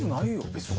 別に。